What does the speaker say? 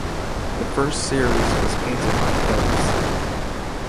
The first series was painted by Philips.